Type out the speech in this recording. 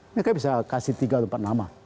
ini kayaknya bisa kasih tiga atau empat nama